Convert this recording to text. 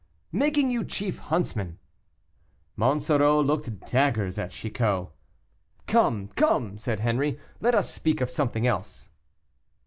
"Making you chief huntsman." Monsoreau looked daggers at Chicot. "Come, come," said Henri, "let us speak of something else."